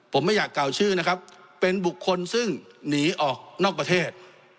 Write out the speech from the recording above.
ผมไม่อยากกล่าวชื่อนะครับเป็นบุคคลซึ่งหนีออกนอกประเทศ